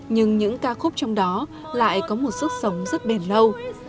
nhưng những ca khúc trong đó lại có một sức sống rất bền lâu